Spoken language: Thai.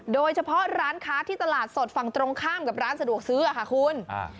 โดยเฉพาะร้านค้าที่ตลาดสดฝั่งตรงข้ามกับร้านสะดวกซื้อค่ะคุณ